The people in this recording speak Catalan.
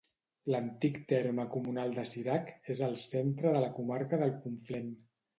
L'antic terme comunal de Cirac és al centre de la comarca del Conflent.